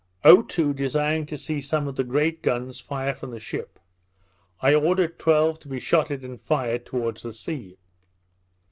Otoo desiring to see some of the great guns fire from the ship, I ordered twelve to be shotted and fired towards the sea.